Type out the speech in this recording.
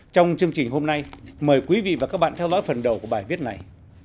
trong chương trình hôm nay mời quý vị và các bạn theo dõi phần đầu của bài viết này